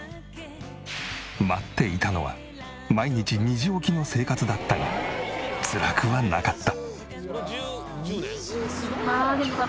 待っていたのは毎日２時起きの生活だったがつらくはなかった。